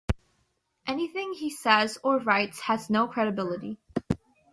Anything he says or writes has no credibility.